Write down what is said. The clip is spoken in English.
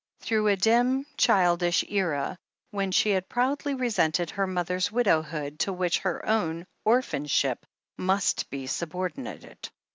Through a dim, childish era, when she had proudly resented her mother's widowhood, to which her own THE HEEL OF ACHILLES 417 orphanship must be subordinated.